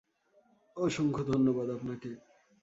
অসংখ্য ধন্যবাদ আপনাকে।